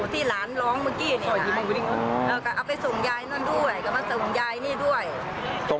ก็มาส่งยายนี้ด้วย